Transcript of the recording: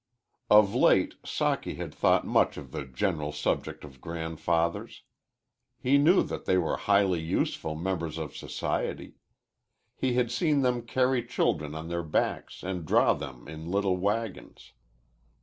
Of late Socky had thought much of the general subject of grandfathers. He knew that they were highly useful members of society. He had seen them carry children on their backs and draw them in little wagons.